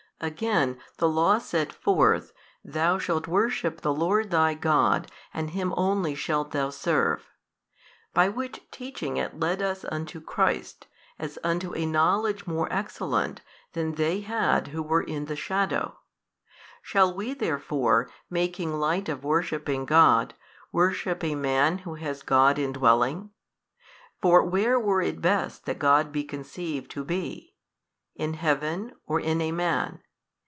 Again, the Law set forth, Thou shalt worship the Lord thy God and Him only shalt thou serve. By which teaching it led us unto Christ, as unto a knowledge more excellent than they had who were in the shadow: shall we therefore, making light of worshipping God, worship a man who has God indwelling? for where were it best that God be conceived to be? in heaven or in a man?